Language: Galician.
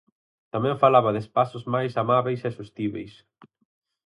Tamén falaba de espazos "máis amábeis e sostíbeis".